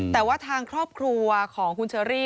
แต่ว่าทางครอบครัวของคุณเชอรี่